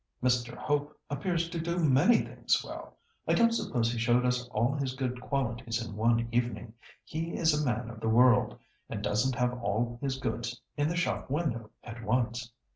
"Mr. Hope appears to do many things well. I don't suppose he showed us all his good qualities in one evening. He is a man of the world, and doesn't have all his goods in the shop window at once."